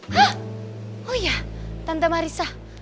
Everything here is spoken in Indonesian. hah oh iya tante marissa